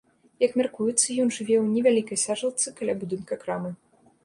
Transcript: Як мяркуецца, ён жыве ў невялікай сажалцы каля будынка крамы.